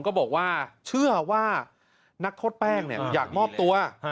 ก็บอกว่าเชื่อว่านักโทษแป้งอยากมอบตัว